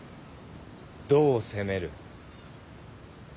どう攻める。